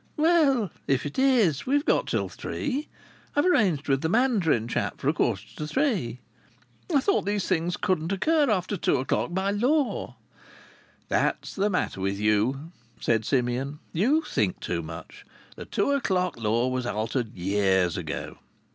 "Well, if it is? We've got till three. I've arranged with the mandarin chap for a quarter to three." "I thought these things couldn't occur after two o'clock by law." "That's what's the matter with you," said Simeon; "you think too much. The two o'clock law was altered years ago.